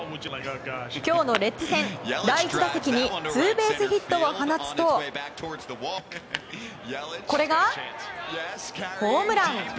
今日のレッズ戦、第１打席にツーベースヒットを放つとこれが、ホームラン。